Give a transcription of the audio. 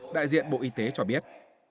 đại diện bộ y tế cho biết